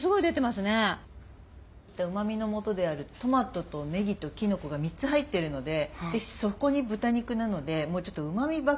うまみのもとであるトマトとねぎときのこが３つ入ってるのでそこに豚肉なのでもうちょっとうまみ爆弾みたいな。